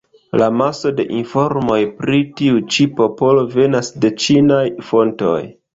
La maso de informoj pri tiu ĉi popolo venas de ĉinaj fontoj.